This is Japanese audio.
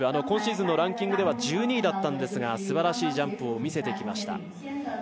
今シーズンのランキングでも１２位だったんですがすばらしいジャンプを見せてきました。